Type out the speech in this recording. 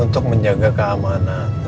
untuk menjaga keamanan